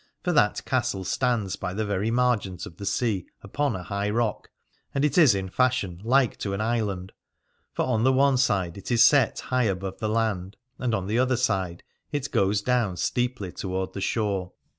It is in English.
For that castle stands by the very margent of the sea upon a high rock ; and it is in fashion like to an island, for on the one side it is set high above the land and on the other side it goes down steeply toward the shore.